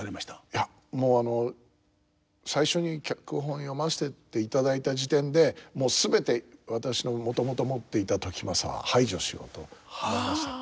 いやもう最初に脚本を読ませていただいた時点でもう全て私のもともと持っていた時政は排除しようと思いました。